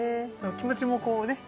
気持ちもこうね